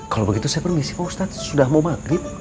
kalau begitu saya permisi pak ustadz sudah mau maghrib